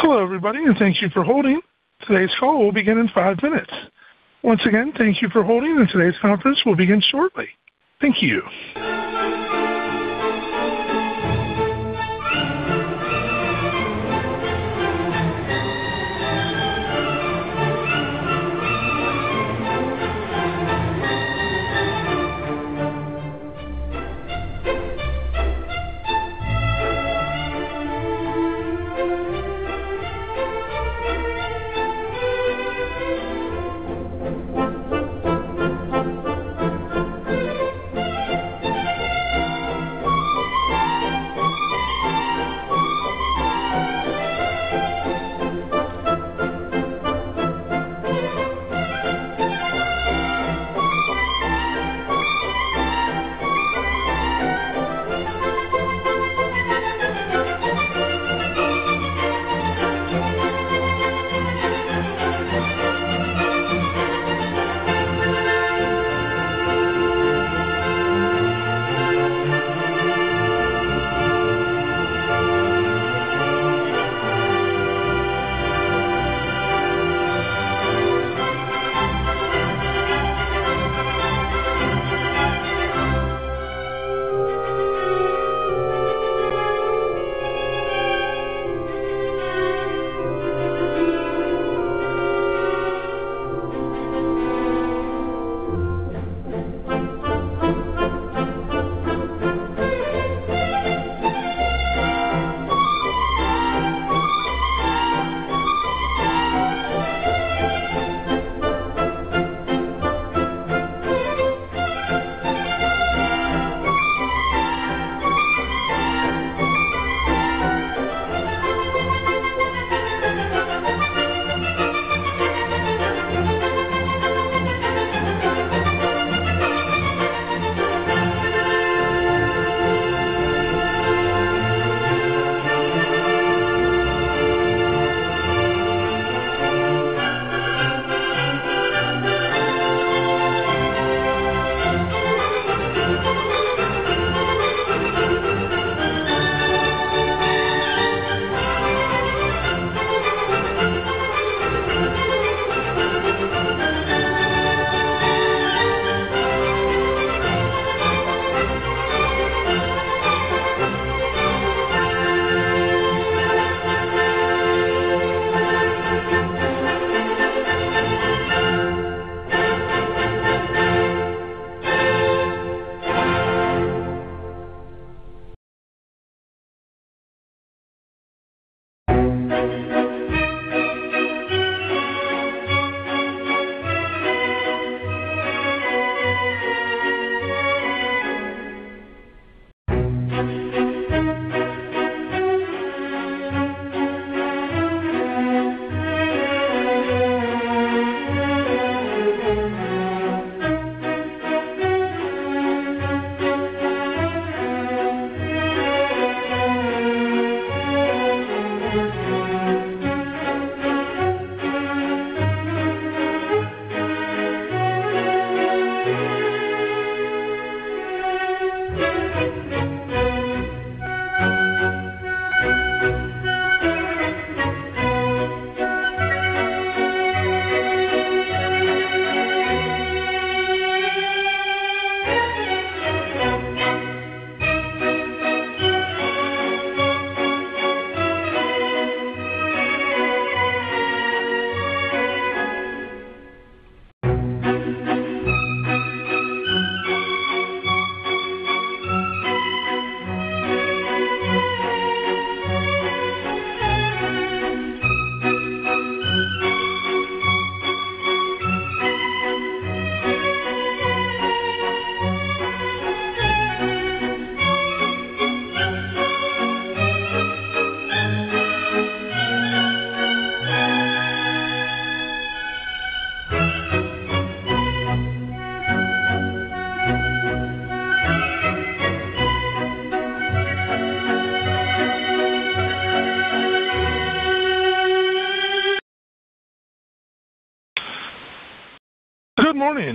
Hello, everybody, and thank you for holding. Today's call will begin in five minutes. Once again, thank you for holding, and today's conference will begin shortly. Thank you.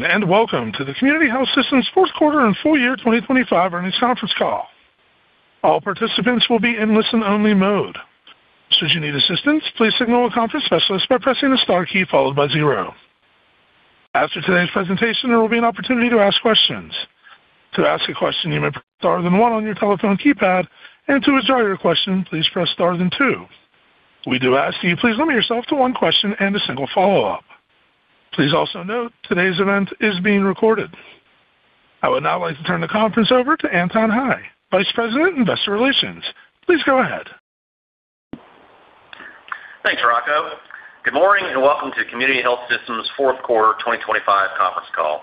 Good morning, and welcome to the Community Health Systems fourth quarter and full year 2025 earnings conference call. All participants will be in listen-only mode. Should you need assistance, please signal a conference specialist by pressing the star key followed by zero. After today's presentation, there will be an opportunity to ask questions. To ask a question, you may press star then one on your telephone keypad, and to withdraw your question, please press star then two. We do ask you, please limit yourself to one question and a single follow-up. Please also note today's event is being recorded. I would now like to turn the conference over to Anton Hie, Vice President, Investor Relations. Please go ahead. Thanks, Rocco. Good morning, and welcome to Community Health Systems fourth quarter 2025 conference call.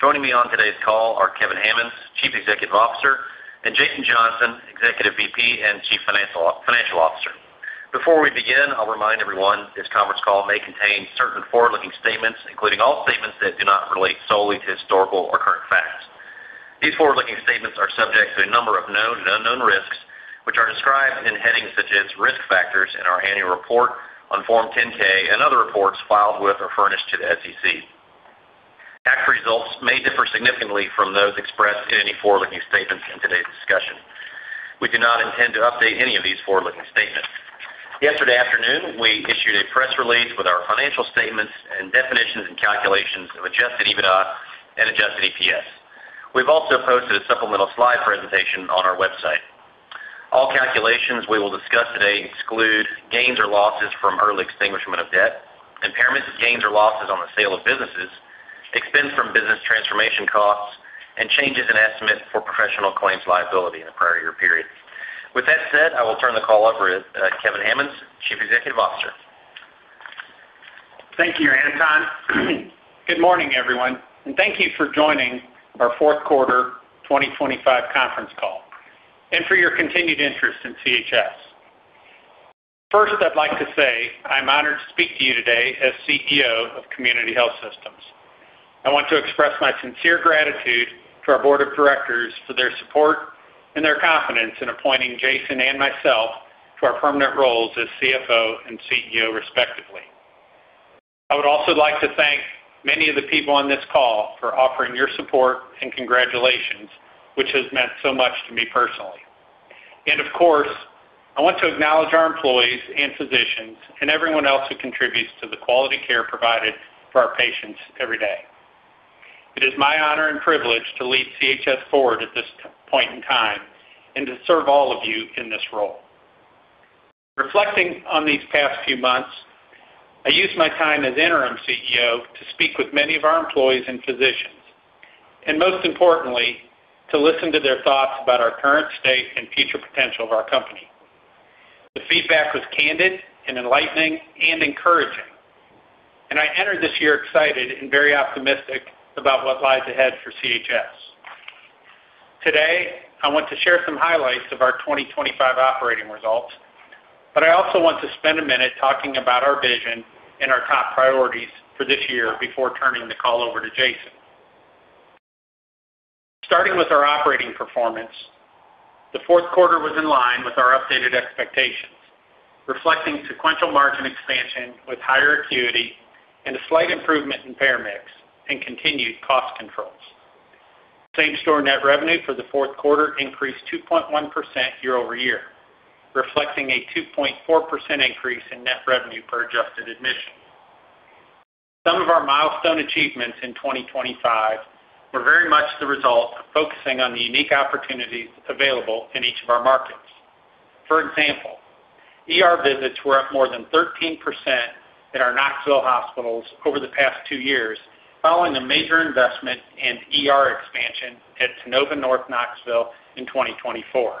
Joining me on today's call are Kevin Hammons, Chief Executive Officer, and Jason Johnson, Executive VP and Chief Financial Officer. Before we begin, I'll remind everyone this conference call may contain certain forward-looking statements, including all statements that do not relate solely to historical or current facts. These forward-looking statements are subject to a number of known and unknown risks, which are described in headings such as Risk Factors in our annual report on Form 10-K and other reports filed with or furnished to the SEC. Actual results may differ significantly from those expressed in any forward-looking statements in today's discussion. We do not intend to update any of these forward-looking statements. Yesterday afternoon, we issued a press release with our financial statements, and definitions and calculations of Adjusted EBITDA and Adjusted EPS. We've also posted a supplemental slide presentation on our website. All calculations we will discuss today exclude gains or losses from early extinguishment of debt, impairments of gains or losses on the sale of businesses, expense from business transformation costs, and changes in estimates for professional claims liability in the prior year period. With that said, I will turn the call over to Kevin Hammons, Chief Executive Officer. Thank you, Anton. Good morning, everyone, and thank you for joining our fourth quarter 2025 conference call and for your continued interest in CHS. First, I'd like to say I'm honored to speak to you today as CEO of Community Health Systems. I want to express my sincere gratitude to our board of directors for their support and their confidence in appointing Jason and myself to our permanent roles as CFO and CEO, respectively. I would also like to thank many of the people on this call for offering your support and congratulations, which has meant so much to me personally. Of course, I want to acknowledge our employees and physicians and everyone else who contributes to the quality care provided for our patients every day. It is my honor and privilege to lead CHS forward at this point in time and to serve all of you in this role. Reflecting on these past few months, I used my time as interim CEO to speak with many of our employees and physicians, and most importantly, to listen to their thoughts about our current state, and future potential of our company. The feedback was candid, and enlightening and encouraging, and I entered this year excited and very optimistic about what lies ahead for CHS. Today, I want to share some highlights of our 2025 operating results, but I also want to spend a minute talking about our vision and our top priorities for this year before turning the call over to Jason. Starting with our operating performance, the fourth quarter was in line with our updated expectations, reflecting sequential margin expansion with higher acuity, and a slight improvement in payer mix and continued cost controls. Same-store net revenue for the fourth quarter increased 2.1% year-over-year, reflecting a 2.4% increase in net revenue per adjusted admission. Some of our milestone achievements in 2025 were very much the result of focusing on the unique opportunities available in each of our markets. For example, ER visits were up more than 13% at our Knoxville hospitals over the past two years, following a major investment in ER expansion at Tennova North Knoxville in 2024.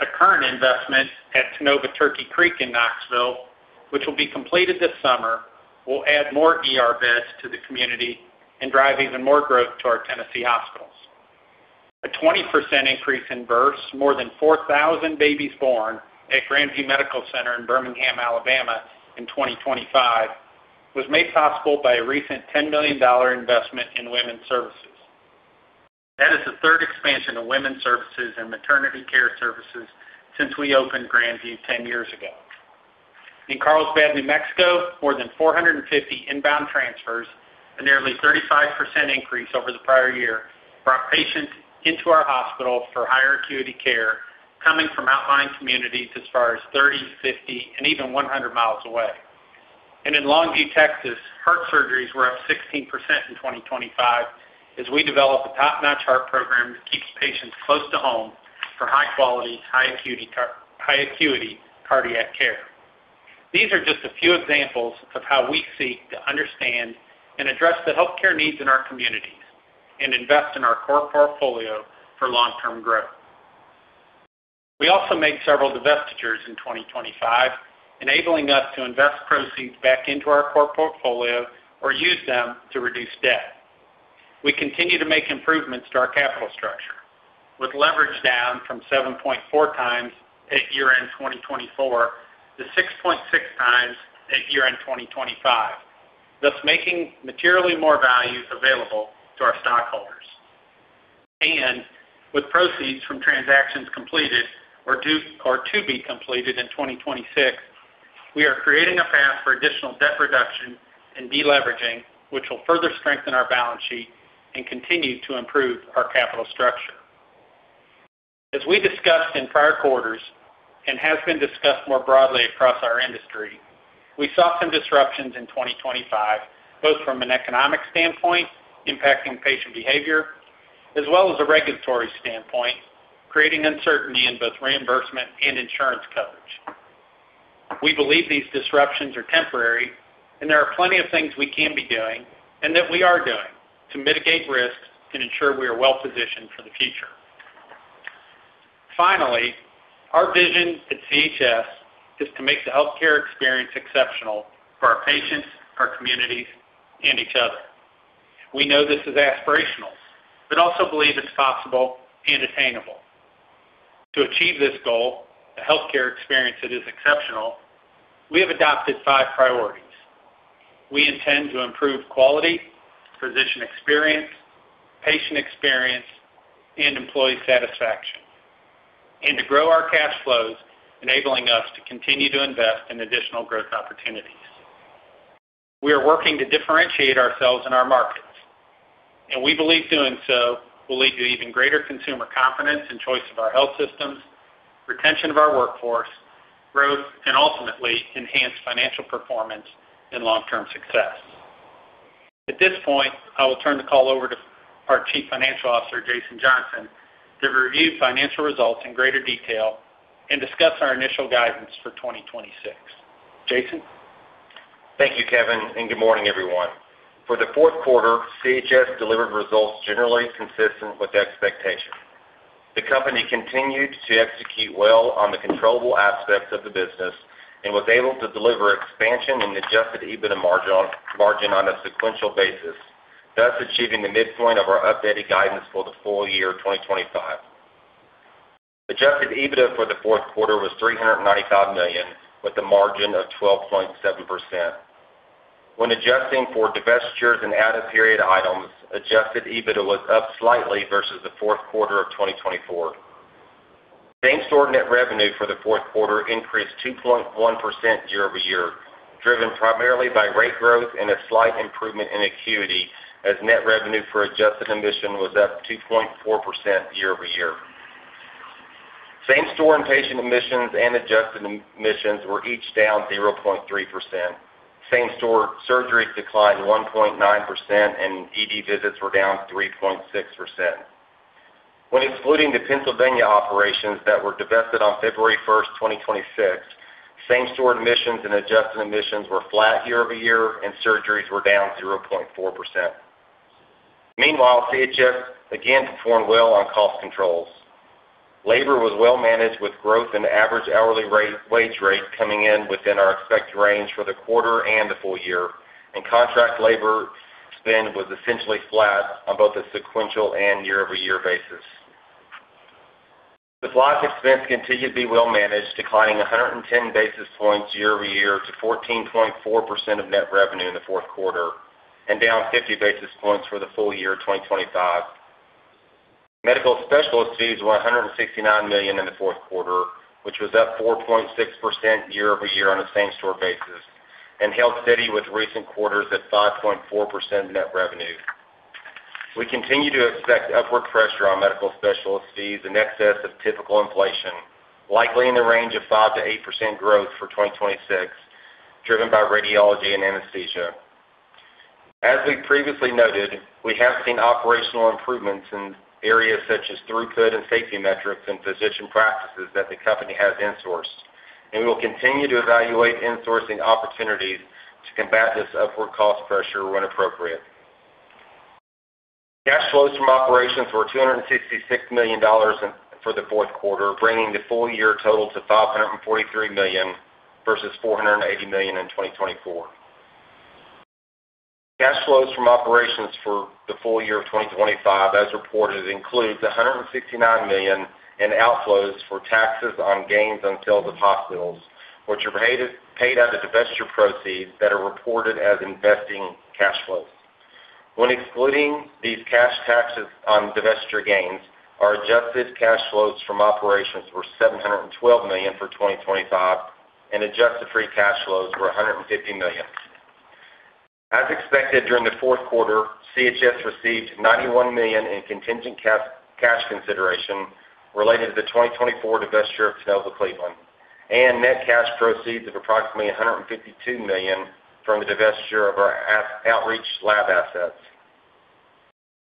A current investment at Tennova Turkey Creek in Knoxville, which will be completed this summer, will add more ER visits to the community and drive even more growth to our Tennessee hospitals. A 20% increase in births, more than 4,000 babies born at Grandview Medical Center in Birmingham, Alabama, in 2025, was made possible by a recent $10 million investment in women's services. That is the third expansion of women's services and maternity care services since we opened Grandview 10 years ago. In Carlsbad, New Mexico, more than 450 inbound transfers, a nearly 35% increase over the prior year, brought patients into our hospital for higher acuity care, coming from outlying communities as far as 30, 50, and even 100 miles away. In Longview, Texas, heart surgeries were up 16% in 2025 as we developed a top-notch heart program that keeps patients close to home for high quality, high acuity cardiac care. These are just a few examples of how we seek to understand and address the healthcare needs in our communities, and invest in our core portfolio for long-term growth. We also made several divestitures in 2025, enabling us to invest proceeds back into our core portfolio or use them to reduce debt. We continue to make improvements to our capital structure, with leverage down from 7.4 times at year-end 2024 to 6.6 times at year-end 2025, thus making materially more values available to our stockholders. With proceeds from transactions completed or due or to be completed in 2026, we are creating a path for additional debt reduction, and deleveraging, which will further strengthen our balance sheet, and continue to improve our capital structure. As we discussed in prior quarters, and has been discussed more broadly across our industry, we saw some disruptions in 2025, both from an economic standpoint, impacting patient behavior, as well as a regulatory standpoint, creating uncertainty in both reimbursement and insurance coverage. We believe these disruptions are temporary, and there are plenty of things we can be doing and that we are doing to mitigate risks and ensure we are well-positioned for the future. Finally, our vision at CHS is to make the healthcare experience exceptional for our patients, our communities, and each other. We know this is aspirational, but also believe it's possible and attainable. To achieve this goal, a healthcare experience that is exceptional, we have adopted five priorities. We intend to improve quality, physician experience, patient experience, and employee satisfaction... and to grow our cash flows, enabling us to continue to invest in additional growth opportunities. We are working to differentiate ourselves in our markets, and we believe doing so will lead to even greater consumer confidence and choice of our health systems, retention of our workforce, growth, and ultimately, enhanced financial performance and long-term success. At this point, I will turn the call over to our Chief Financial Officer, Jason Johnson, to review financial results in greater detail and discuss our initial guidance for 2026. Jason? Thank you, Kevin, and good morning, everyone. For the fourth quarter, CHS delivered results generally consistent with expectation. The company continued to execute well on the controllable aspects of the business and was able to deliver expansion in adjusted EBITDA margin, margin on a sequential basis, thus achieving the midpoint of our updated guidance for the full year 2025. Adjusted EBITDA for the fourth quarter was $395 million, with a margin of 12.7%. When adjusting for divestitures and added period items, adjusted EBITDA was up slightly versus the fourth quarter of 2024. Same-store net revenue for the fourth quarter increased 2.1% year-over-year, driven primarily by rate growth and a slight improvement in acuity, as net revenue for adjusted admission was up 2.4% year-over-year. Same-store inpatient admissions and adjusted admissions were each down 0.3%. Same-store surgeries declined 1.9%, and ED visits were down 3.6%. When excluding the Pennsylvania operations that were divested on February 1, 2026, same-store admissions and adjusted admissions were flat year over year, and surgeries were down 0.4%. Meanwhile, CHS again performed well on cost controls. Labor was well managed, with growth in average hourly rate-wage rate coming in within our expected range for the quarter and the full year, and contract labor spend was essentially flat on both a sequential and year-over-year basis. The supply expense continued to be well managed, declining 110 basis points year over year to 14.4% of net revenue in the fourth quarter and down 50 basis points for the full year 2025. Medical specialist fees were $169 million in the fourth quarter, which was up 4.6% year-over-year on a same-store basis and held steady with recent quarters at 5.4% net revenue. We continue to expect upward pressure on medical specialist fees in excess of typical inflation, likely in the range of 5%-8% growth for 2026, driven by radiology and anesthesia. As we previously noted, we have seen operational improvements in areas such as throughput and safety metrics and physician practices that the company has insourced, and we will continue to evaluate insourcing opportunities to combat this upward cost pressure when appropriate. Cash flows from operations were $266 million in, for the fourth quarter, bringing the full year total to $543 million versus $480 million in 2024. Cash flows from operations for the full year of 2025, as reported, includes $159 million in outflows for taxes on gains on sales of hospitals, which are paid out of divestiture proceeds that are reported as investing cash flows. When excluding these cash taxes on divestiture gains, our adjusted cash flows from operations were $712 million for 2025, and adjusted free cash flows were $150 million. As expected, during the fourth quarter, CHS received $91 million in contingent cash consideration related to the 2024 divestiture of Tennova Cleveland, and net cash proceeds of approximately $152 million from the divestiture of our outreach lab assets.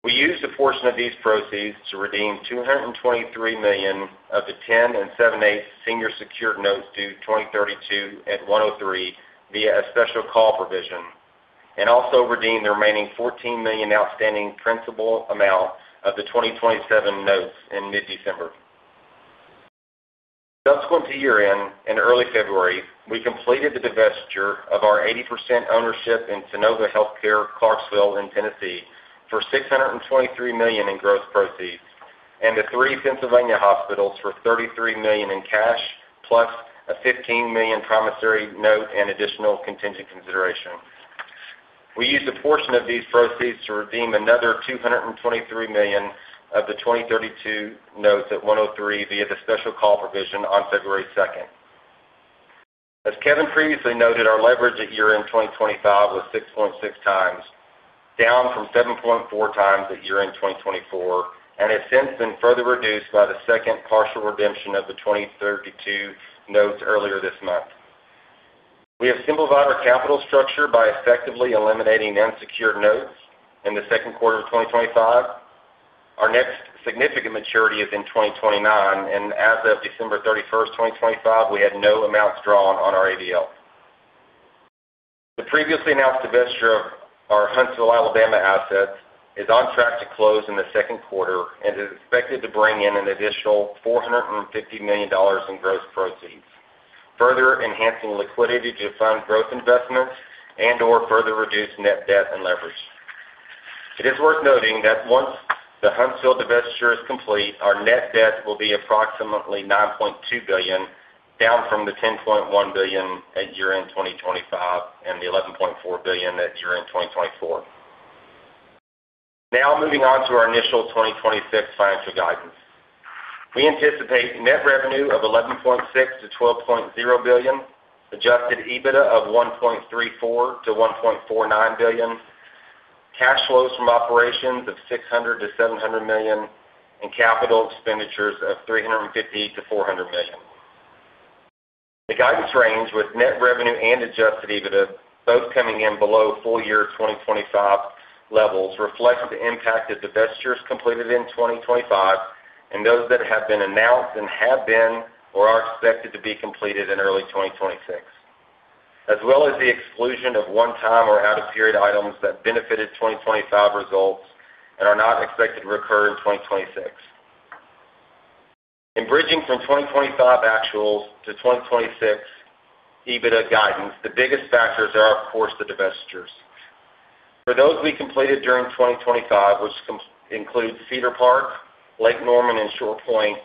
We used a portion of these proceeds to redeem $223 million of the 10 and 7/8 senior secured notes due 2032 at 103 via a special call provision, and also redeemed the remaining $14 million outstanding principal amount of the 2027 notes in mid-December. Subsequent to year-end, in early February, we completed the divestiture of our 80% ownership in Tennova Healthcare-Clarksville in Tennessee for $623 million in gross proceeds and the three Pennsylvania hospitals for $33 million in cash, plus a $15 million promissory note and additional contingent consideration. We used a portion of these proceeds to redeem another $223 million of the 2032 notes at 103 via the special call provision on February 2nd. As Kevin previously noted, our leverage at year-end 2025 was 6.6 times, down from 7.4 times at year-end 2024, and has since been further reduced by the second partial redemption of the 2032 notes earlier this month. We have simplified our capital structure by effectively eliminating unsecured notes in the second quarter of 2025. Our next significant maturity is in 2029, and as of December 31, 2025, we had no amounts drawn on our ABL. The previously announced divestiture of our Huntsville, Alabama, assets is on track to close in the second quarter and is expected to bring in an additional $450 million in gross proceeds, further enhancing liquidity to fund growth investments and/or further reduce net debt and leverage. It is worth noting that once the Huntsville divestiture is complete, our net debt will be approximately $9.2 billion, down from the $10.1 billion at year-end 2025 and the $11.4 billion at year-end 2024. Now moving on to our initial 2026 financial guidance. We anticipate net revenue of $11.6-$12.0 billion, Adjusted EBITDA of $1.34-$1.49 billion, cash flows from operations of $600-$700 million, and capital expenditures of $350-$400 million. The guidance range with net revenue. and adjusted EBITDA, both coming in below full year 2025 levels, reflects the impact of divestitures completed in 2025, and those that have been announced and have been or are expected to be completed in early 2026, as well as the exclusion of one-time or out-of-period items that benefited 2025 results and are not expected to recur in 2026. In bridging from 2025 actuals to 2026 EBITDA guidance, the biggest factors are, of course, the divestitures. For those we completed during 2025, which includes Cedar Park, Lake Norman and ShorePoint,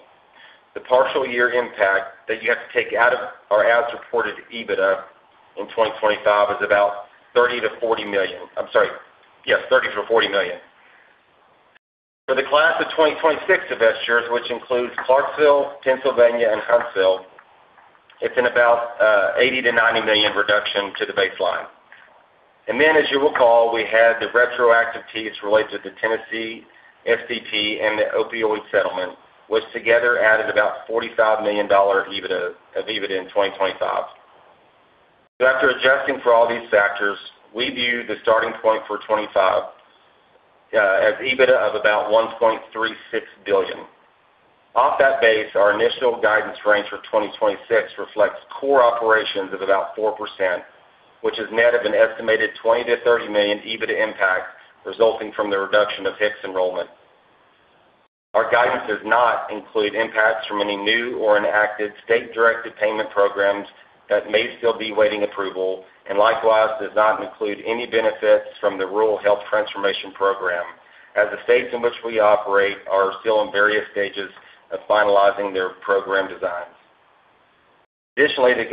the partial year impact that you have to take out of our as-reported EBITDA in 2025 is about $30 million-$40 million. I'm sorry. Yes, $30 million-$40 million. For the class of 2026 divestitures, which includes Clarksville, Pennsylvania, and Huntsville, it's in about $80 million-$90 million reduction to the baseline. And then, as you recall, we had the retroactive piece related to Tennessee, SDP, and the opioid settlement, which together added about $45 million of EBITDA in 2025. So after adjusting for all these factors, we view the starting point for 2025 as EBITDA of about $1.36 billion. Off that base, our initial guidance range for 2026 reflects core operations of about 4%, which is net of an estimated $20 million-$30 million EBITDA impact resulting from the reduction of HIX enrollment. Our guidance does not include impacts from any new or enacted state-directed payment programs that may still be waiting approval, and likewise, does not include any benefits from the Rural Health Transformation Program, as the states in which we operate are still in various stages of finalizing their program designs. Additionally, the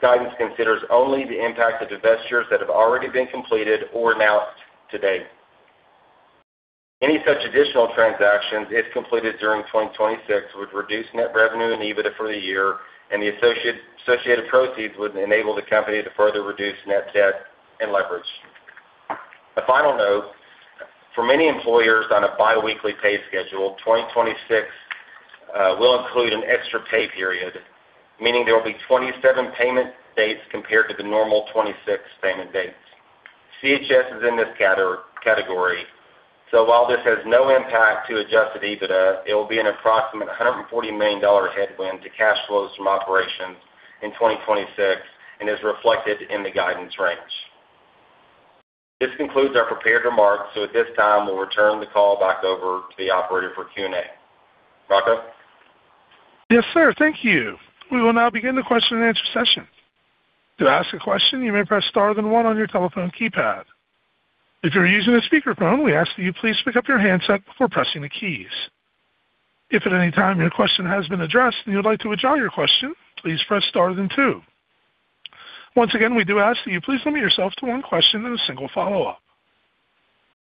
guidance considers only the impact of divestitures that have already been completed or announced to date. Any such additional transactions, if completed during 2026, would reduce net revenue and EBITDA for the year, and the associated proceeds would enable the company to further reduce net debt and leverage. A final note, for many employers on a biweekly pay schedule, 2026 will include an extra pay period, meaning there will be 27 payment dates compared to the normal 26 payment dates. CHS is in this category, so while this has no impact to Adjusted EBITDA, it will be an approximate $140 million headwind to cash flows from operations in 2026 and is reflected in the guidance range. This concludes our prepared remarks. So at this time, we'll return the call back over to the operator for Q&A. Rocco? Yes, sir. Thank you. We will now begin the question and answer session. To ask a question, you may press star then one on your telephone keypad. If you're using a speakerphone, we ask that you please pick up your handset before pressing the keys. If at any time your question has been addressed and you'd like to withdraw your question, please press star then two. Once again, we do ask that you please limit yourself to one question and a single follow-up.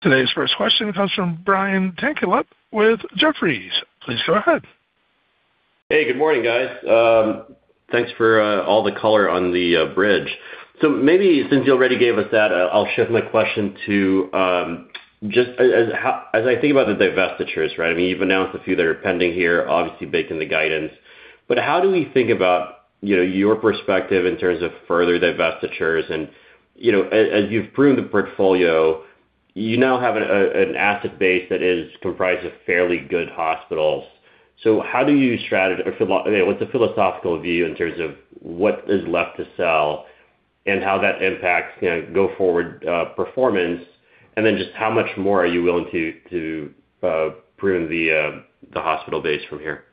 Today's first question comes from Brian Tanquilut with Jefferies. Please go ahead. Hey, good morning, guys. Thanks for all the color on the bridge. So maybe since you already gave us that, I'll shift my question to just as I think about the divestitures, right? I mean, you've announced a few that are pending here, obviously based on the guidance. But how do we think about, you know, your perspective in terms of further divestitures? And, you know, as you've pruned the portfolio, you now have an asset base that is comprised of fairly good hospitals. So what's the philosophical view in terms of what is left to sell and how that impacts, you know, go forward performance? And then just how much more are you willing to prune the hospital base from here?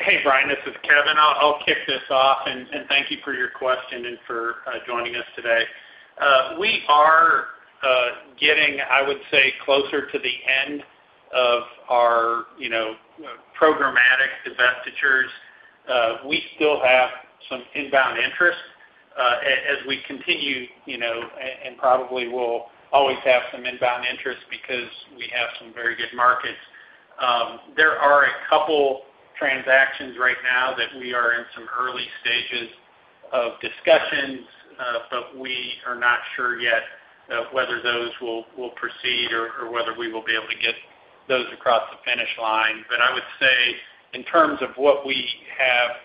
Hey, Brian, this is Kevin. I'll kick this off, and thank you for your question and for joining us today. We are getting, I would say, closer to the end of our, you know, programmatic divestitures. We still have some inbound interest as we continue, you know, and probably will always have some inbound interest because we have some very good markets. There are a couple transactions right now that we are in some early stages of discussions, but we are not sure yet whether those will proceed or whether we will be able to get those across the finish line. But I would say in terms of what we have,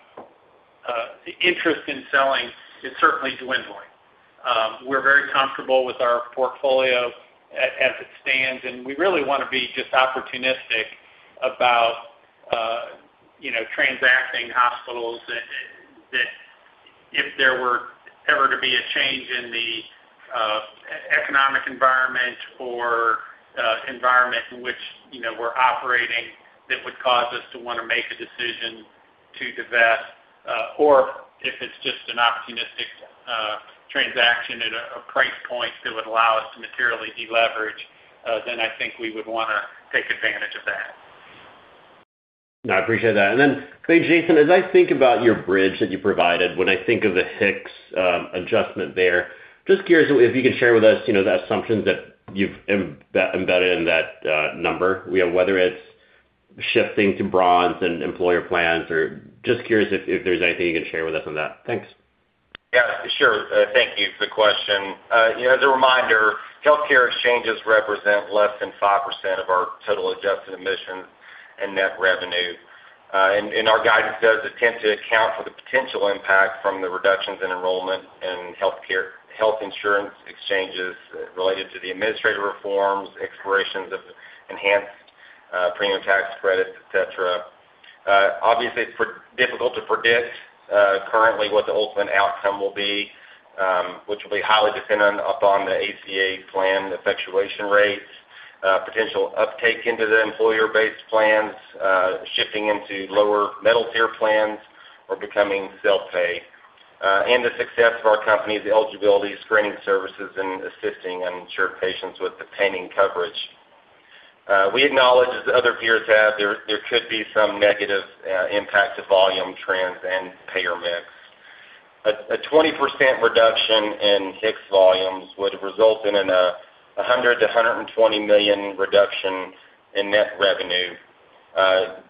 the interest in selling is certainly dwindling. We're very comfortable with our portfolio as it stands, and we really want to be just opportunistic about, you know, transacting hospitals, that if there were ever to be a change in the economic environment or environment in which, you know, we're operating, that would cause us to want to make a decision to divest, or if it's just an opportunistic transaction at a price point that would allow us to materially deleverage, then I think we would wanna take advantage of that. No, I appreciate that. And then, hey, Jason, as I think about your bridge that you provided, when I think of the HIX adjustment there, just curious if you could share with us, you know, the assumptions that you've embedded in that number. You know, whether it's shifting to bronze and employer plans or just curious if there's anything you can share with us on that. Thanks. Yeah, sure. Thank you for the question. You know, as a reminder, healthcare exchanges represent less than 5% of our total adjusted admissions and net revenue. And our guidance does attempt to account for the potential impact from the reductions in enrollment and healthcare, health insurance exchanges related to the administrative reforms, expirations of enhanced premium tax credits, et cetera. Obviously, it's difficult to predict currently what the ultimate outcome will be, which will be highly dependent upon the ACA plan effectuation rates, potential uptake into the employer-based plans, shifting into lower metal tier plans or becoming self-pay, and the success of our company's eligibility screening services and assisting uninsured patients with obtaining coverage. We acknowledge, as other peers have, there could be some negative impact to volume trends and payer mix. A 20% reduction in CHS volumes would result in a $100 million-$120 million reduction in net revenue.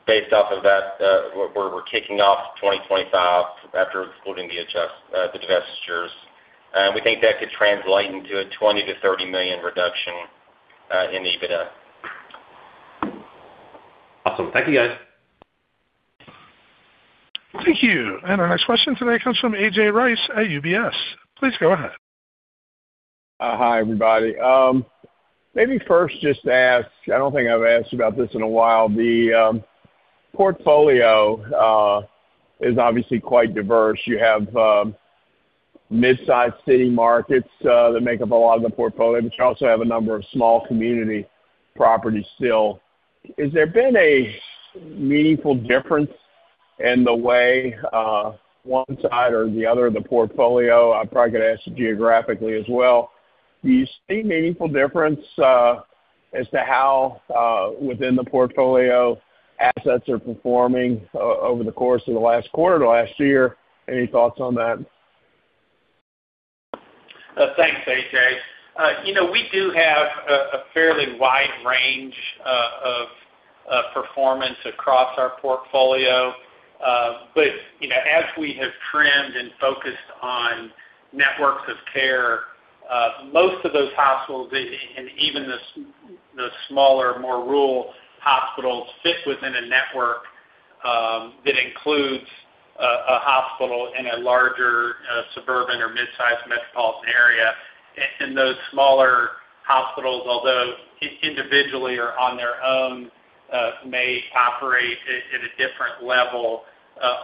Based off of that, we're kicking off 2025 after excluding the divestitures. And we think that could translate into a $20 million-$30 million reduction in EBITDA. Awesome. Thank you, guys. Thank you. Our next question today comes from A.J. Rice at UBS. Please go ahead. Hi, everybody. Maybe first, just ask, I don't think I've asked about this in a while. The portfolio is obviously quite diverse. You have mid-sized city markets that make up a lot of the portfolio, but you also have a number of small community properties still. Has there been a meaningful difference in the way one side or the other of the portfolio, I'm probably gonna ask you geographically as well. Do you see meaningful difference as to how within the portfolio assets are performing over the course of the last quarter to last year? Any thoughts on that? Thanks, A.J. You know, we do have a fairly wide range of performance across our portfolio. But you know, as we have trimmed and focused on networks of care, most of those hospitals, and even the smaller, more rural hospitals, fit within a network that includes a hospital in a larger suburban or mid-sized metropolitan area. And those smaller hospitals, although individually or on their own, may operate at a different level,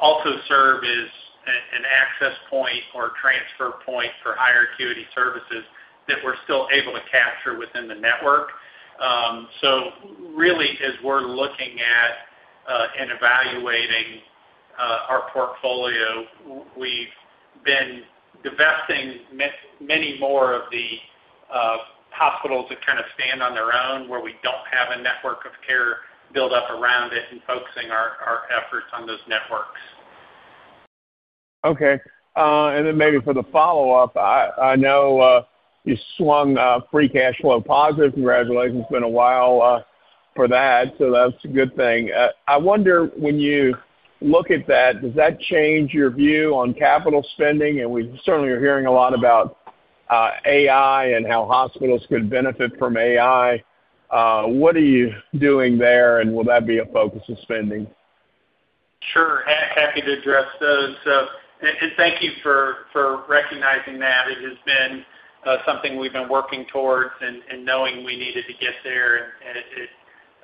also serve as an access point or transfer point for higher acuity services that we're still able to capture within the network. So really, as we're looking at and evaluating our portfolio, we've been divesting many more of the hospitals that kind of stand on their own, where we don't have a network of care built up around it and focusing our efforts on those networks. Okay. And then maybe for the follow-up, I know you swung free cash flow positive. Congratulations, it's been a while for that, so that's a good thing. I wonder, when you look at that, does that change your view on capital spending? We certainly are hearing a lot about AI and how hospitals could benefit from AI. What are you doing there, and will that be a focus of spending? Sure, happy to address those. And thank you for recognizing that. It has been something we've been working towards, and knowing we needed to get there. And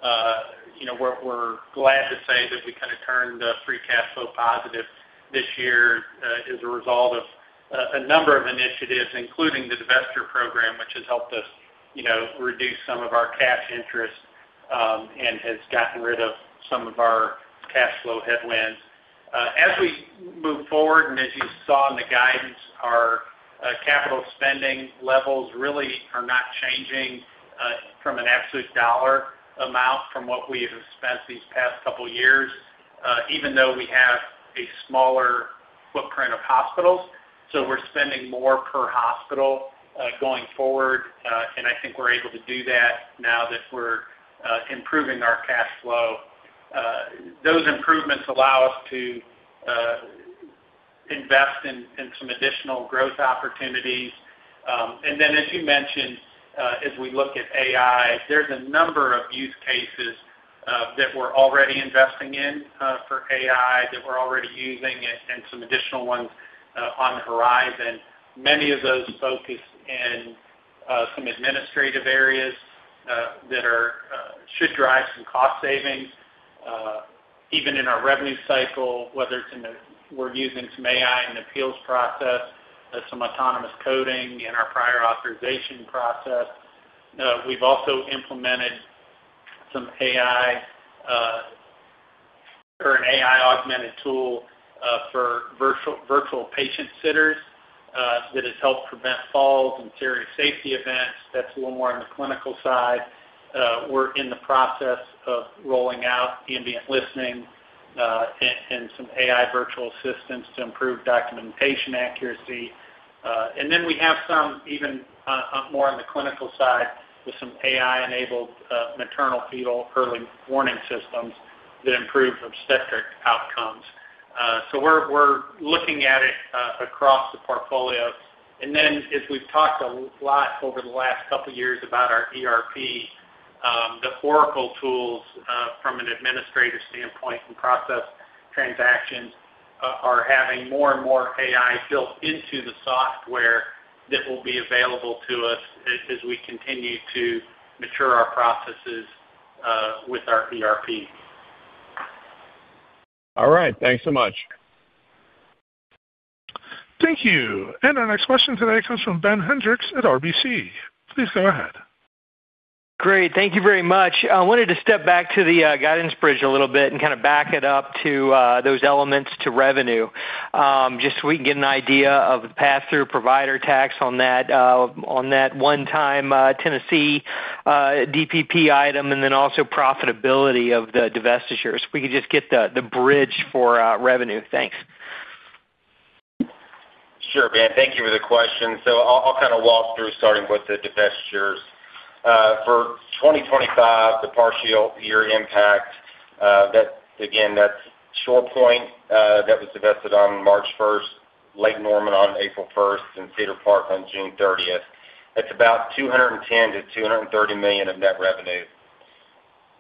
it, you know, we're glad to say that we kind of turned the free cash flow positive this year, as a result of a number of initiatives, including the divestiture program, which has helped us, you know, reduce some of our cash interest, and has gotten rid of some of our cash flow headwinds. As we move forward, and as you saw in the guidance, our capital spending levels really are not changing from an absolute dollar amount from what we have spent these past couple years, even though we have a smaller footprint of hospitals. So we're spending more per hospital, going forward, and I think we're able to do that now that we're improving our cash flow. Those improvements allow us to invest in some additional growth opportunities. And then, as you mentioned, as we look at AI, there's a number of use cases that we're already investing in for AI, that we're already using and some additional ones on the horizon. Many of those focus in some administrative areas that should drive some cost savings even in our revenue cycle, whether it's in the -- we're using some AI in appeals process, some autonomous coding in our prior authorization process. We've also implemented some AI or an AI-augmented tool... for virtual, virtual patient sitters, that has helped prevent falls and serious safety events. That's a little more on the clinical side. We're in the process of rolling out ambient listening, and some AI virtual assistants to improve documentation accuracy. And then we have some even more on the clinical side, with some AI-enabled maternal-fetal early warning systems that improve obstetric outcomes. So we're looking at it across the portfolios. And then, as we've talked a lot over the last couple years about our ERP, the Oracle tools, from an administrative standpoint and process transactions are having more and more AI built into the software that will be available to us as we continue to mature our processes, with our ERP. All right, thanks so much. Thank you. Our next question today comes from Ben Hendrix at RBC. Please go ahead. Great, thank you very much. I wanted to step back to the guidance bridge a little bit and kind of back it up to those elements to revenue, just so we can get an idea of the pass-through provider tax on that, on that one time Tennessee DPP item, and then also profitability of the divestitures. If we could just get the bridge for revenue. Thanks. Sure, Ben. Thank you for the question. So I'll kind of walk through, starting with the divestitures. For 2025, the partial year impact, that again, that's ShorePoint, that was divested on March 1, Lake Norman on April 1, and Cedar Park on June 30. That's about $210 million-$230 million of net revenue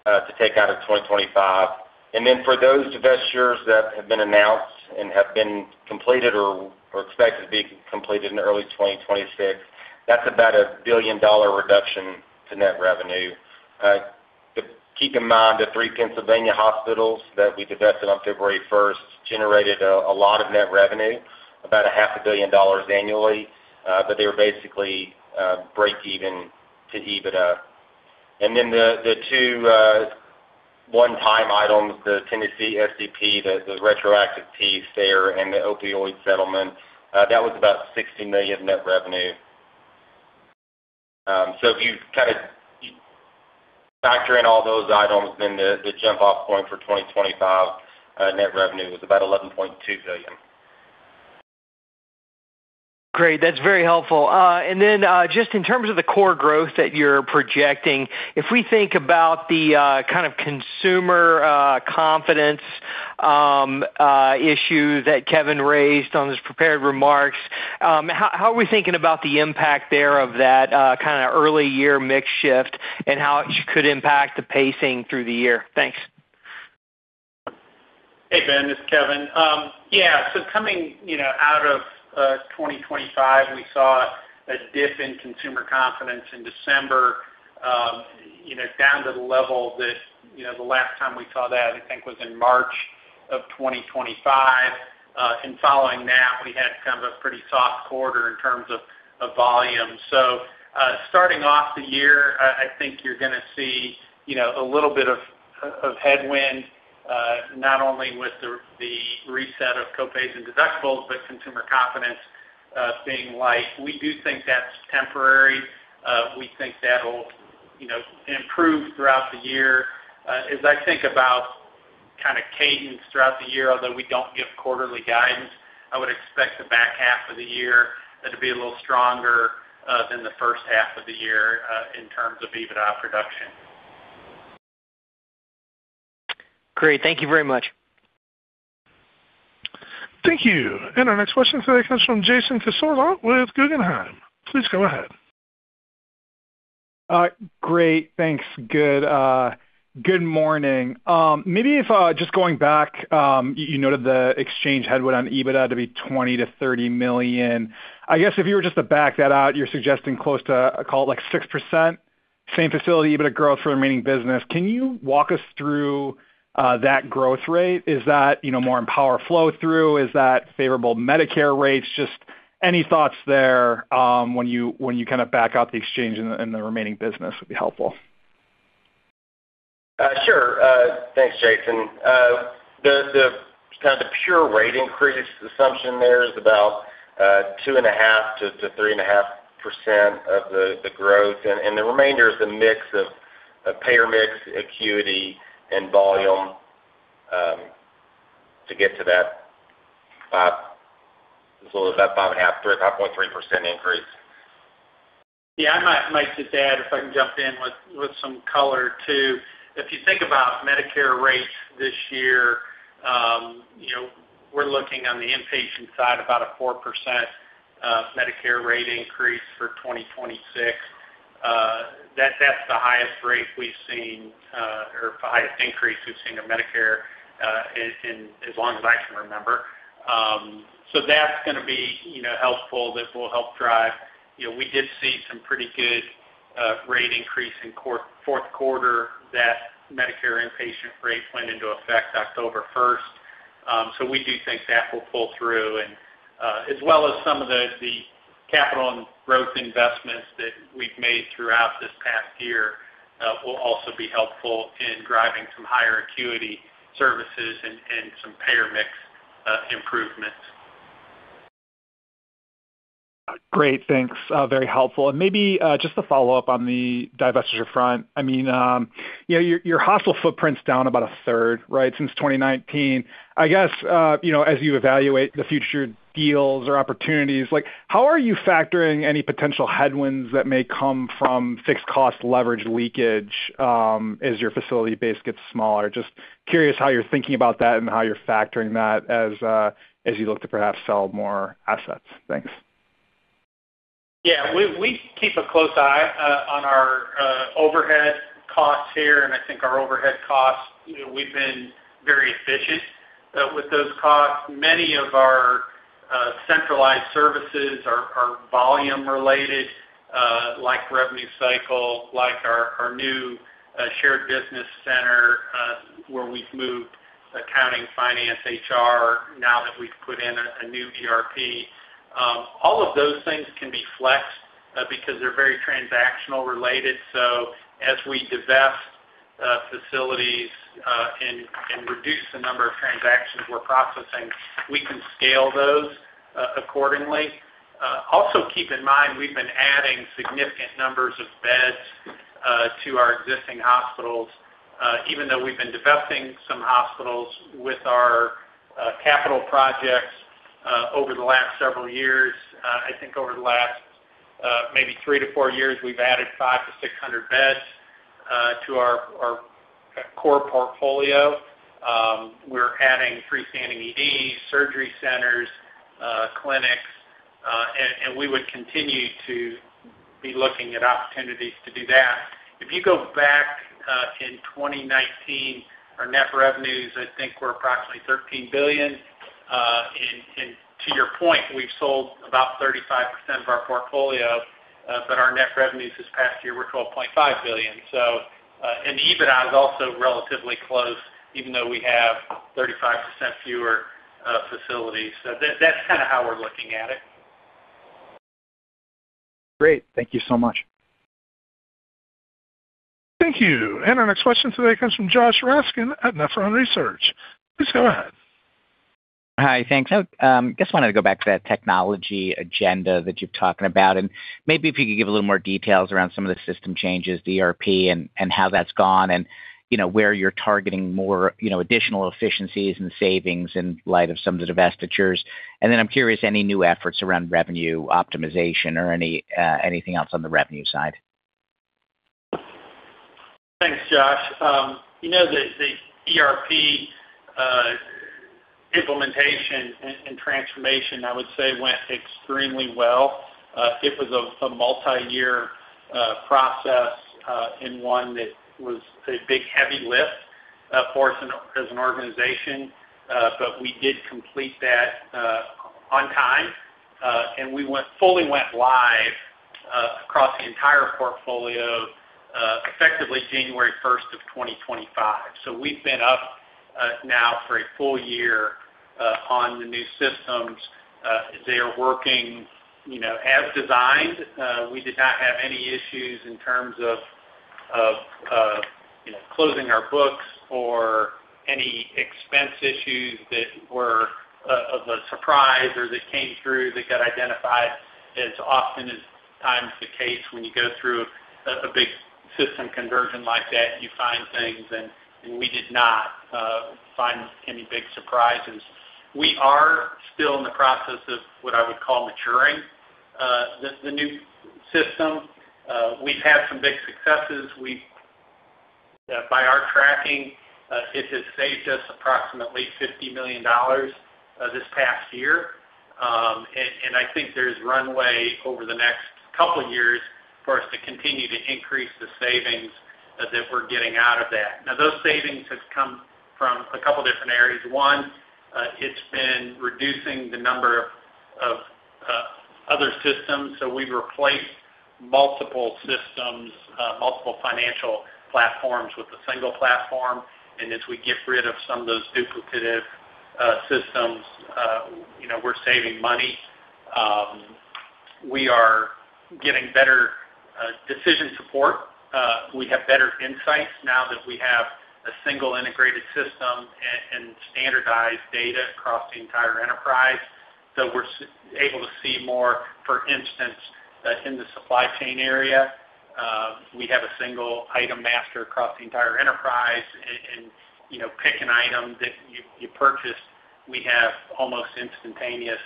to take out of 2025. And then for those divestitures that have been announced and have been completed or expected to be completed in early 2026, that's about a $1 billion reduction to net revenue. But keep in mind, the three Pennsylvania hospitals that we divested on February 1 generated a lot of net revenue, about $500 million annually, but they were basically break even to EBITDA. And then the two one-time items, the Tennessee SDP, the retroactive piece there, and the opioid settlement, that was about $60 million net revenue. So if you kind of factor in all those items, then the jump off point for 2025, net revenue was about $11.2 billion. Great, that's very helpful. And then, just in terms of the core growth that you're projecting, if we think about the kind of consumer confidence issue that Kevin raised on his prepared remarks, how are we thinking about the impact thereof that kind of early year mix shift and how it could impact the pacing through the year? Thanks. Hey, Ben, this is Kevin. Yeah, so coming, you know, out of 2025, we saw a dip in consumer confidence in December, you know, down to the level that, you know, the last time we saw that, I think, was in March of 2025. And following that, we had kind of a pretty soft quarter in terms of volume. So, starting off the year, I think you're gonna see, you know, a little bit of headwind, not only with the reset of co-pays and deductibles, but consumer confidence being light. We do think that's temporary. We think that'll, you know, improve throughout the year. As I think about kind of cadence throughout the year, although we don't give quarterly guidance, I would expect the back half of the year to be a little stronger than the first half of the year in terms of EBITDA production. Great, thank you very much. Thank you. And our next question today comes from Jason Cassorla with Guggenheim. Please go ahead. Great, thanks. Good morning. Maybe if just going back, you noted the exchange headwind on EBITDA to be $20 million-$30 million. I guess if you were just to back that out, you're suggesting close to, I call it, like, 6% same facility EBITDA growth for the remaining business. Can you walk us through that growth rate? Is that, you know, more in power flow through? Is that favorable Medicare rates? Just any thoughts there, when you kind of back out the exchange and the remaining business would be helpful. Sure. Thanks, Jason. The pure rate increase assumption there is about 2.5%-3.5% of the growth, and the remainder is a mix of payer mix, acuity, and volume to get to that, so about 5.3% increase. Yeah, I might just add, if I can jump in with some color, too. If you think about Medicare rates this year, you know, we're looking on the inpatient side, about a 4% Medicare rate increase for 2026. That, that's the highest rate we've seen, or the highest increase we've seen in Medicare, in as long as I can remember. So that's gonna be, you know, helpful. This will help drive... You know, we did see some pretty good rate increase in fourth quarter. That Medicare inpatient rate went into effect October first. So we do think that will pull through and-... As well as some of the capital and growth investments that we've made throughout this past year, will also be helpful in driving some higher acuity services and some payer mix improvements. Great, thanks. Very helpful. And maybe just to follow up on the divestiture front, I mean, you know, your hospital footprint's down about a third, right, since 2019. I guess, you know, as you evaluate the future deals or opportunities, like, how are you factoring any potential headwinds that may come from fixed cost leverage leakage as your facility base gets smaller? Just curious how you're thinking about that and how you're factoring that as you look to perhaps sell more assets. Thanks. Yeah, we keep a close eye on our overhead costs here, and I think our overhead costs, you know, we've been very efficient with those costs. Many of our centralized services are volume related, like revenue cycle, like our new shared business center, where we've moved accounting, finance, HR, now that we've put in a new ERP. All of those things can be flexed because they're very transactional related. So as we divest facilities and reduce the number of transactions we're processing, we can scale those accordingly. Also keep in mind, we've been adding significant numbers of beds to our existing hospitals, even though we've been divesting some hospitals with our capital projects over the last several years. I think over the last, maybe 3-4 years, we've added 500-600 beds to our core portfolio. We're adding freestanding ED, surgery centers, clinics, and we would continue to be looking at opportunities to do that. If you go back in 2019, our net revenues, I think, were approximately $13 billion. And to your point, we've sold about 35% of our portfolio, but our net revenues this past year were $12.5 billion. So, and the EBITDA is also relatively close, even though we have 35% fewer facilities. So that's kind of how we're looking at it. Great. Thank you so much. Thank you. Our next question today comes from Josh Raskin at Nephron Research. Please go ahead. Hi, thanks. I just wanted to go back to that technology agenda that you're talking about, and maybe if you could give a little more details around some of the system changes, the ERP and how that's gone, and, you know, where you're targeting more, you know, additional efficiencies and savings in light of some of the divestitures. And then I'm curious, any new efforts around revenue optimization or any, anything else on the revenue side? Thanks, Josh. You know, the ERP implementation and transformation, I would say, went extremely well. It was a multiyear process and one that was a big heavy lift for us as an organization. But we did complete that on time, and we fully went live across the entire portfolio effectively January first of 2025. So we've been up now for a full year on the new systems. They are working, you know, as designed. We did not have any issues in terms of, of, you know, closing our books or any expense issues that were, of a surprise or that came through that got identified as often as times the case when you go through a big system conversion like that, you find things, and, and we did not find any big surprises. We are still in the process of what I would call maturing the new system. We've had some big successes. By our tracking, it has saved us approximately $50 million this past year. And I think there's runway over the next couple years for us to continue to increase the savings that we're getting out of that. Now, those savings have come from a couple different areas. One, it's been reducing the number of other systems. So we've replaced multiple systems, multiple financial platforms with a single platform, and as we get rid of some of those duplicative systems, you know, we're saving money. We are getting better decision support. We have better insights now that we have a single integrated system, and standardized data across the entire enterprise. So we're able to see more, for instance, in the supply chain area. We have a single item master across the entire enterprise, and, you know, pick an item that you purchased, we have almost instantaneous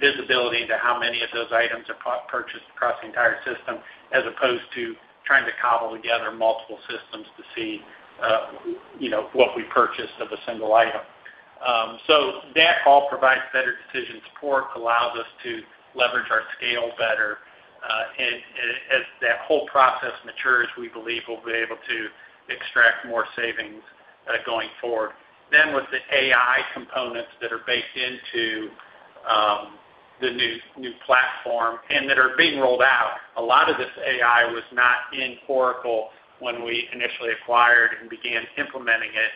visibility to how many of those items are purchased across the entire system, as opposed to trying to cobble together multiple systems to see, you know, what we purchased of a single item. So that all provides better decision support, allows us to leverage our scale better. And as that whole process matures, we believe we'll be able to extract more savings, going forward. Then, with the AI components that are baked into the new platform and that are being rolled out, a lot of this AI was not in Oracle when we initially acquired and began implementing it.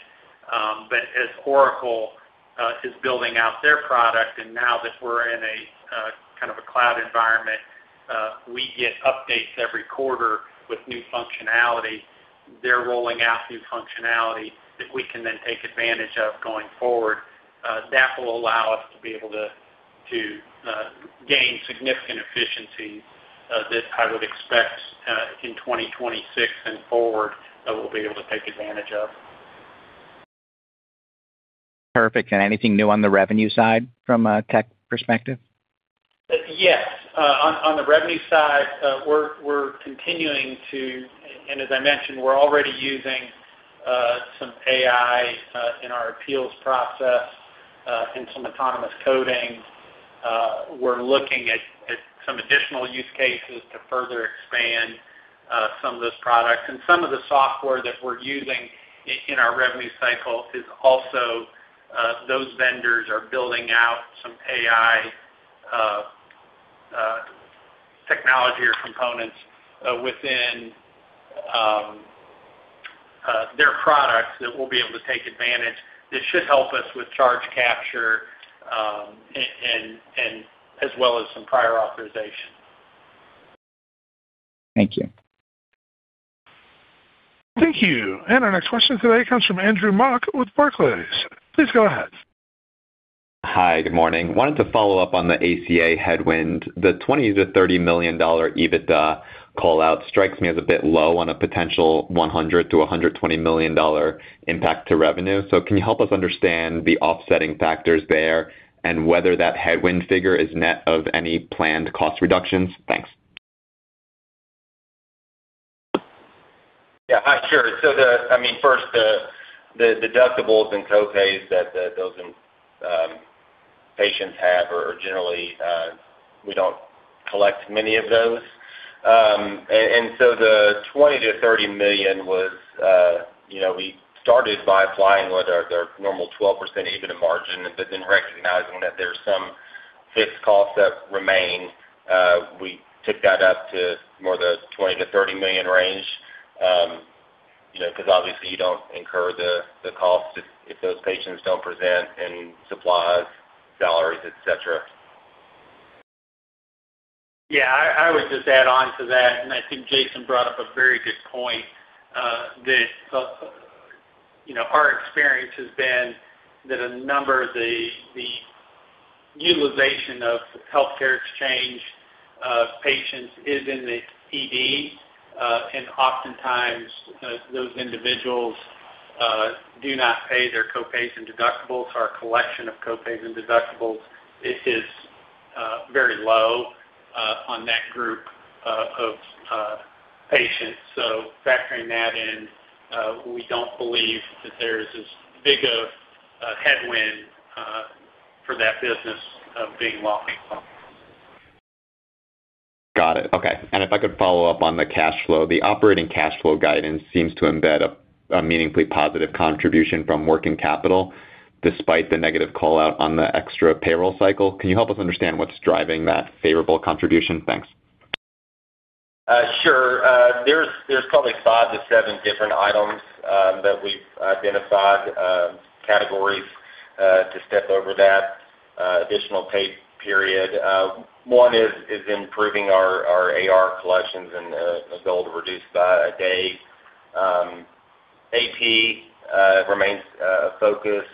But as Oracle is building out their product, and now that we're in a kind of a cloud environment, we get updates every quarter with new functionality. They're rolling out new functionality that we can then take advantage of going forward. That will allow us to be able to gain significant efficiencies, that I would expect in 2026 and forward, that we'll be able to take advantage of. Perfect. Anything new on the revenue side from a tech perspective? Yes. On the revenue side, we're continuing to—and as I mentioned, we're already using some AI in our appeals process and some autonomous coding. We're looking at some additional use cases to further expand some of those products. And some of the software that we're using in our revenue cycle is also, those vendors are building out some AI technology or components within their products that we'll be able to take advantage. This should help us with charge capture and as well as some prior authorization. Thank you. Thank you. Our next question today comes from Andrew Mok with Barclays. Please go ahead. Hi, good morning. Wanted to follow up on the ACA headwind. The $20-$30 million EBITDA call-out strikes me as a bit low on a potential $100-$120 million impact to revenue. So can you help us understand the offsetting factors there, and whether that headwind figure is net of any planned cost reductions? Thanks. Yeah. Hi, sure. So—I mean, first, the deductibles and copays that those patients have are generally, we don't collect many of those. And so the $20 million-$30 million was, you know, we started by applying with our, their normal 12% EBITDA margin, but then recognizing that there's some fixed costs that remain, we took that up to more the $20 million-$30 million range. You know, because obviously you don't incur the cost if those patients don't present any supplies, salaries, et cetera. Yeah, I would just add on to that, and I think Jason brought up a very good point, that you know, our experience has been that a number of the utilization of health insurance exchange patients is in the ED. And oftentimes, those individuals do not pay their copays and deductibles. Our collection of copays and deductibles is very low on that group of patients. So factoring that in, we don't believe that there's as big of a headwind for that business of being walking. Got it. Okay. And if I could follow up on the cash flow. The operating cash flow guidance seems to embed a meaningfully positive contribution from working capital, despite the negative call-out on the extra payroll cycle. Can you help us understand what's driving that favorable contribution? Thanks. Sure. There's probably five to seven different items that we've identified, categories, to step over that additional pay period. One is improving our AR collections and as well to reduce by a day. AP remains a focus.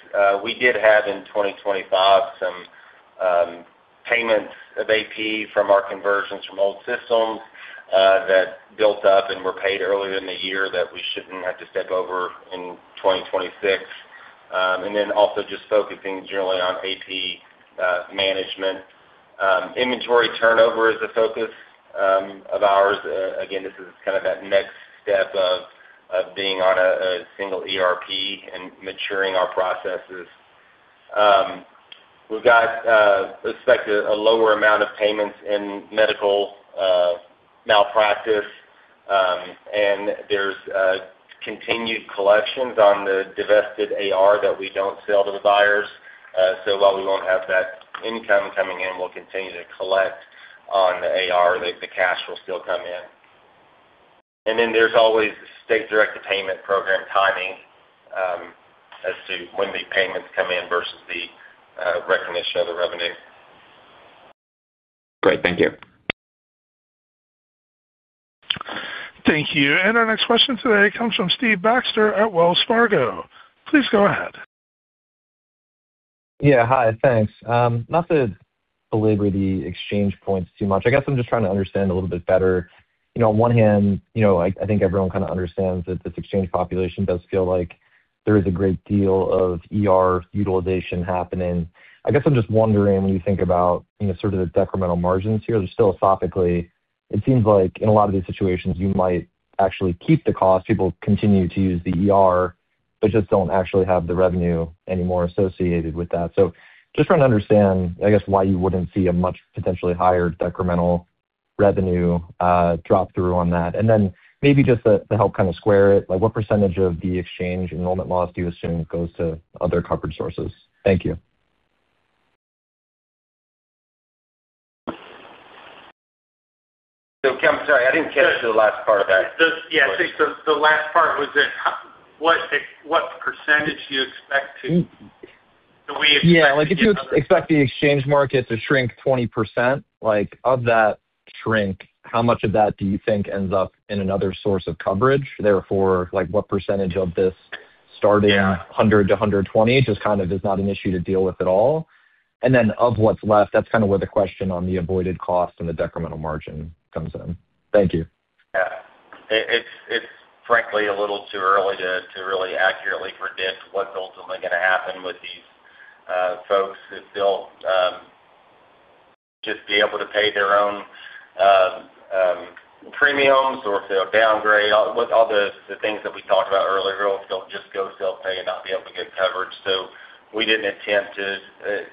We did have, in 2025, some payments of AP from our conversions from old systems that built up and were paid earlier in the year that we shouldn't have to step over in 2026. And then also just focusing generally on AP management. Inventory turnover is a focus of ours. Again, this is kind of that next step of being on a single ERP and maturing our processes. We've got expect a lower amount of payments in medical malpractice, and there's continued collections on the divested AR that we don't sell to the buyers. So while we won't have that income coming in, we'll continue to collect on the AR, the cash will still come in. And then there's always the state directed payment program timing as to when the payments come in versus the recognition of the revenue. Great. Thank you. Thank you. Our next question today comes from Steve Baxter at Wells Fargo. Please go ahead. Yeah. Hi, thanks. Not to belabor the exchange points too much. I guess I'm just trying to understand a little bit better. You know, on one hand, you know, I think everyone kind of understands that this exchange population does feel like there is a great deal of ER utilization happening. I guess I'm just wondering, when you think about, you know, sort of the decremental margins here, just philosophically, it seems like in a lot of these situations, you might actually keep the cost. People continue to use the ER, but just don't actually have the revenue anymore associated with that. So just trying to understand, I guess, why you wouldn't see a much potentially higher decremental revenue drop through on that. And then maybe just to help kind of square it, like, what percentage of the exchange enrollment loss do you assume goes to other coverage sources? Thank you. I didn't catch the last part of that. Yeah, I think the last part was that, what percentage do you expect to, do we expect- Yeah, like, if you expect the exchange market to shrink 20%, like, of that shrink, how much of that do you think ends up in another source of coverage? Therefore, like, what percentage of this starting- Yeah. 100 to 120 just kind of is not an issue to deal with at all. And then of what's left, that's kind of where the question on the avoided cost and the decremental margin comes in. Thank you. Yeah. It's frankly a little too early to really accurately predict what's ultimately gonna happen with these folks, if they'll just be able to pay their own premiums or if they'll downgrade, with all the things that we talked about earlier, or if they'll just go self-pay and not be able to get coverage. So we didn't attempt to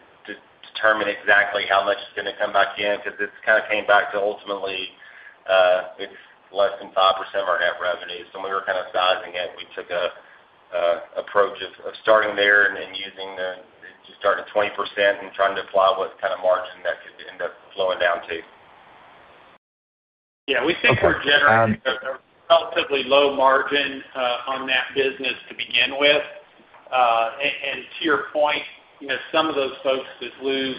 determine exactly how much is gonna come back in, because this kind of came back to ultimately it's less than 5% of our net revenue. So when we were kind of sizing it, we took an approach of starting there and using the just starting at 20% and trying to apply what kind of margin that could end up flowing down to. Yeah, we think- Okay, um- We're generating a relatively low margin on that business to begin with. And to your point, you know, some of those folks that lose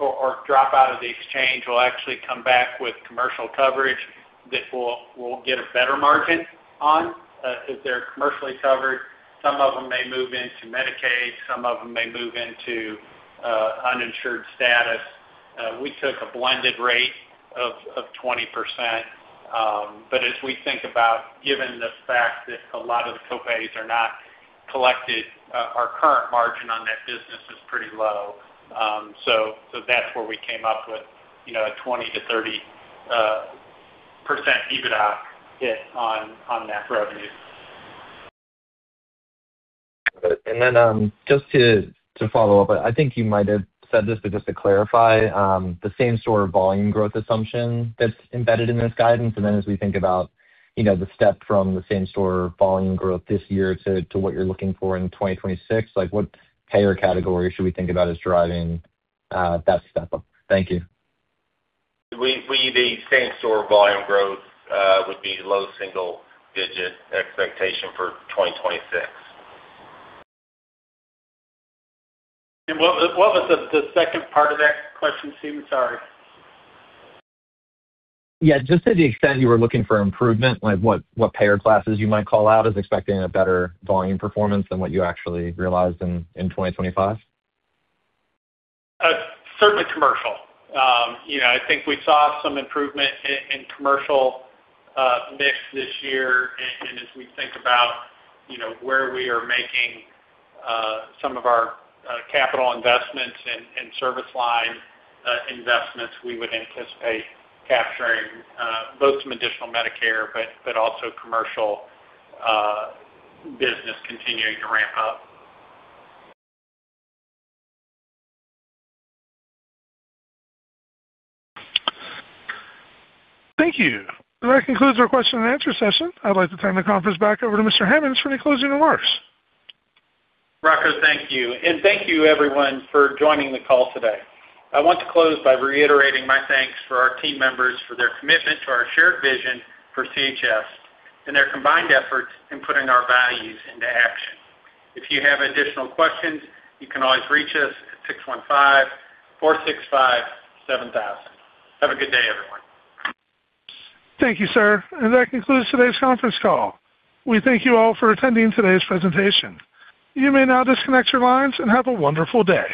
or drop out of the exchange will actually come back with commercial coverage that we'll get a better margin on, if they're commercially covered. Some of them may move into Medicaid, some of them may move into uninsured status. We took a blended rate of 20%. But as we think about, given the fact that a lot of the copays are not collected, our current margin on that business is pretty low. So that's where we came up with, you know, a 20%-30% EBITDA hit on that revenue. Got it. And then, just to follow up, I think you might have said this, but just to clarify, the same store volume growth assumption that's embedded in this guidance, and then as we think about, you know, the step from the same store volume growth this year to what you're looking for in 2026, like, what payer category should we think about as driving that step up? Thank you. The same store volume growth would be low single-digit expectation for 2026. What was the second part of that question, Steven? Sorry. Yeah, just to the extent you were looking for improvement, like what, what payer classes you might call out as expecting a better volume performance than what you actually realized in 2025? Certainly commercial. You know, I think we saw some improvement in, in commercial mix this year. And as we think about, you know, where we are making some of our capital investments and service line investments, we would anticipate capturing both some additional Medicare, but also commercial business continuing to ramp up. Thank you. That concludes our question and answer session. I'd like to turn the conference back over to Mr. Hammons for any closing remarks. Rocco, thank you. Thank you everyone for joining the call today. I want to close by reiterating my thanks for our team members, for their commitment to our shared vision for CHS, and their combined efforts in putting our values into action. If you have additional questions, you can always reach us at 615-465-7000. Have a good day, everyone. Thank you, sir. That concludes today's conference call. We thank you all for attending today's presentation. You may now disconnect your lines, and have a wonderful day.